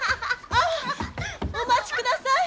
ああお待ちください！